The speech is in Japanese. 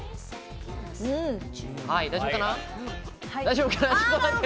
大丈夫かな？